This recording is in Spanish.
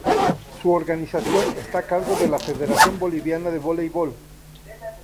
Su organización está a cargo de la Federación Boliviana de Voleibol.